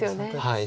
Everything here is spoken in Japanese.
はい。